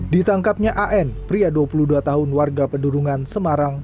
ditangkapnya an pria dua puluh dua tahun warga pedurungan semarang